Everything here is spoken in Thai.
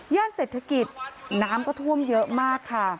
เศรษฐกิจน้ำก็ท่วมเยอะมากค่ะ